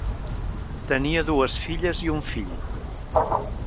Tenia dues filles i un fill.